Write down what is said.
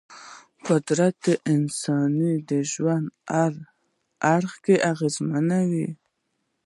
قدرت د انساني ژوند هر اړخ اغېزمنوي.